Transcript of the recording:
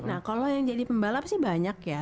nah kalau yang jadi pembalap sih banyak ya